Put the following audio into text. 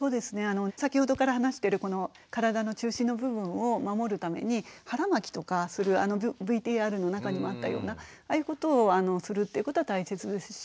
先ほどから話してる体の中心の部分を守るために腹巻きとかするあのＶＴＲの中にもあったようなああいうことをするっていうことは大切ですし。